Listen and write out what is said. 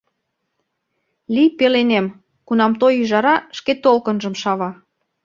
Лий пеленем Кунам той ӱжара шке толкынжым шава.